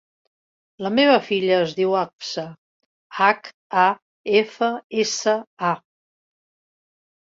La meva filla es diu Hafsa: hac, a, efa, essa, a.